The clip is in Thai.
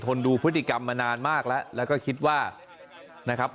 ดูพฤติกรรมมานานมากแล้วแล้วก็คิดว่านะครับ